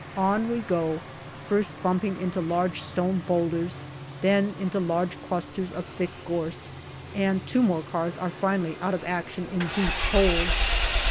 On we go, first bumping into large stone boulders, then into large clusters of thick gorse, and two more cars are finally out of action in deep holes.